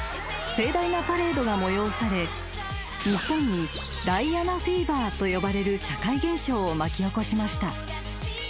［盛大なパレードが催され日本にダイアナフィーバーと呼ばれる社会現象を巻き起こしました］